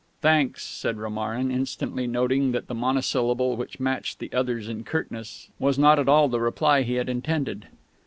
"Thanks," said Romarin instantly noting that the monosyllable, which matched the other's in curtness, was not at all the reply he had intended.